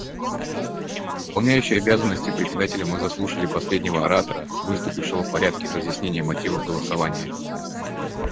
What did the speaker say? Исполняющий обязанности Председателя: Мы заслушали последнего оратора, выступившего в порядке разъяснения мотивов голосования.